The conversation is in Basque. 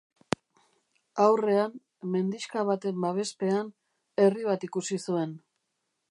Aurrean, mendixka baten babespean, herri bat ikusi zuen.